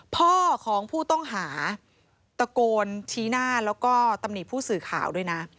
พ่อของผู้ต้องหาตะโกนชี้หน้าแล้วก็ตำหนิผู้สื่อข่าวด้วยนะ